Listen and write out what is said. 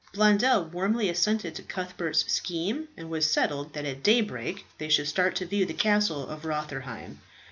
Blondel warmly assented to Cuthbert's scheme, and it was settled that at daybreak they should start to view the Castle of Rotherheim.